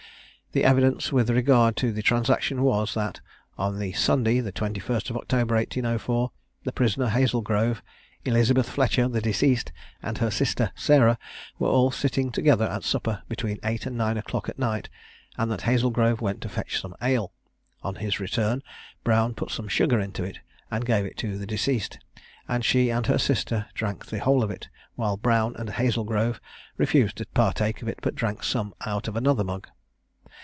The evidence with regard to the transaction was, that on the Sunday, the 21st October 1804, the prisoner, Hazlegrove, Elizabeth Fletcher, the deceased, and her sister Sarah, were all sitting together at supper, between eight and nine o'clock at night, and that Hazlegrove went to fetch some ale. On his return Brown put some sugar into it, and gave it to the deceased, and she and her sister drank the whole of it, while Brown and Hazlegrove refused to partake of it, but drank some out of another mug.